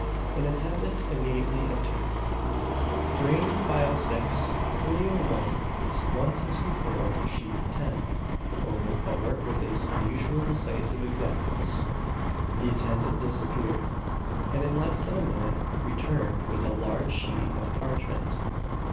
An attendant immediately entered. "Bring File 6, Folio 1,164, Sheet 10," ordered Powart with his usual decisive exactness. The attendant disappeared, and in less than a minute returned with a large sheet of parchment.